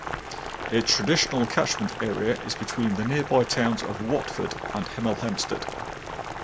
Its traditional catchment area is between the nearby towns of Watford and Hemel Hempstead.